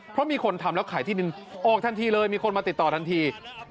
เพราะมีคนทำแล้วขายที่ดินออกทันทีเลยมีคนมาติดต่อทันที